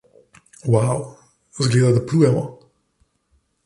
Wau! Zgleda, da plujemo!